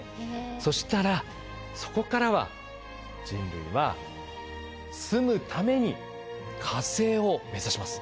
そしたらそこからは人類は住むために火星を目指します。